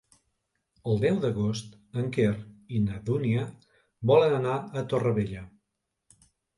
El deu d'agost en Quer i na Dúnia volen anar a Torrevella.